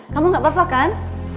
kamu gak apa apa kan